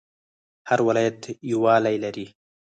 هر ولایت یو والی لري